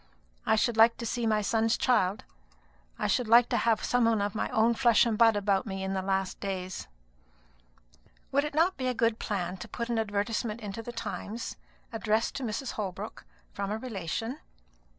I should like to see my son's child; I should like to have some one of my own flesh and blood about me in my last days." "Would it not be a good plan to put an advertisement into the Times, addressed to Mrs. Holbrook, from a relation?